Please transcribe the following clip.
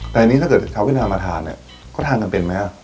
แต่ถ้าเจ้าเวียดนามมาทานก็ทานกันเป็นมั้ยฮะ